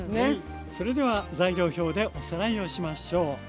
それでは材料表でおさらいをしましょう。